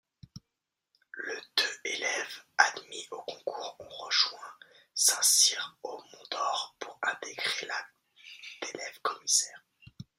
Le deux élèves admis au concours ont rejoint Saint-Cyr-au-Mont-d'Or pour intégrer la d’élèves commissaires.